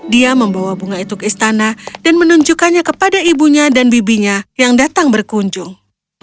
dia membawa bunga itu ke istana dan menunjukkannya kepada ibunya dan bibinya yang datang berkunjung